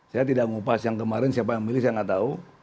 saya tidak ngupas yang kemarin siapa yang milih saya nggak tahu